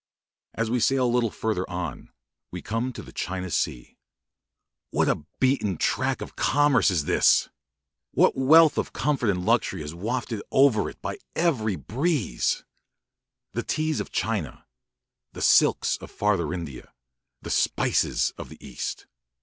As we sail a little farther on, we come to the China Sea. What a beaten track of commerce is this! What wealth of comfort and luxury is wafted over it by every breeze! the teas of China; the silks of farther India; the spices of the East.